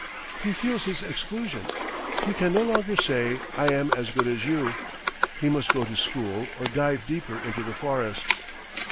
He feels his exclusion. He can no longer say: 'I am as good as you.' He must go to school or dive deeper into the forest."